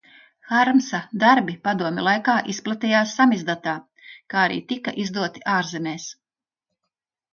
"Harmsa darbi padomju laikā izplatījās "samizdatā", kā arī tika izdoti ārzemēs."